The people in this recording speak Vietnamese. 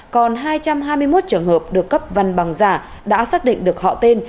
còn hai trăm hai mươi một trường hợp được cấp văn bằng giả đã xác định được họ tên